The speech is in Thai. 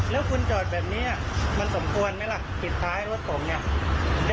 แล้วคุณจอดแบบนี้มันสมควรไหมล่ะติดท้ายรถผมเนี่ยเดี๋ยวออกยังไง